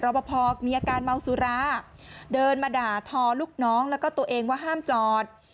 พอมีอาการเมาสุราเดินมาด่าทอลูกน้องแล้วก็ตัวเองว่าห้ามจอด